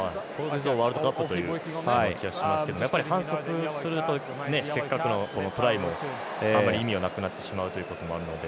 ワールドカップという気がしますけどやっぱり反則するとせっかくのトライもあんまり意味がなくなってしまうということもあるので。